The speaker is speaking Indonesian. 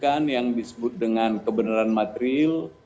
kita menemukan yang disebut dengan kebenaran material